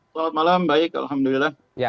selamat malam baik alhamdulillah